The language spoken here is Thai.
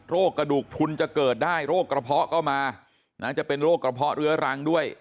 กระดูกทุนจะเกิดได้โรคกระเพาะก็มานะจะเป็นโรคกระเพาะเรื้อรังด้วย